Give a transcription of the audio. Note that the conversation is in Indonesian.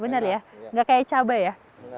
benar ya nggak kayak cabai ya